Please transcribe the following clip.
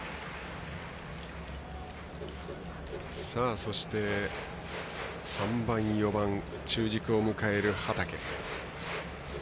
そして３番、４番中軸を迎える畠。